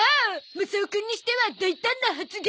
マサオくんにしては大胆な発言！